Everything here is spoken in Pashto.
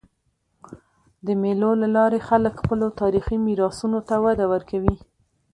د مېلو له لاري خلک خپلو تاریخي میراثونو ته وده ورکوي.